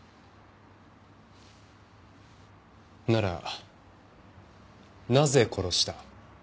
ならなぜ殺した？